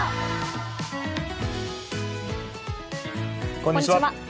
こんにちは。